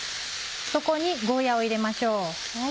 そこにゴーヤを入れましょう。